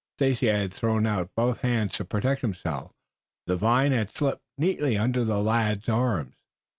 Stacy had thrown out both hands to protect himself. The vine had slipped neatly under the lad's arms.